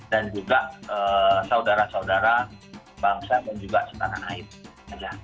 dan juga saudara saudara bangsa dan juga setanah naib aja